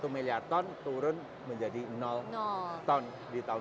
satu miliar ton turun menjadi ton di tahun dua ribu